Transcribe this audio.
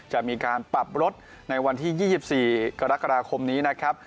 จะมีการปรับลดในวันที่๒๔กรกฎาคมนี้นะครับ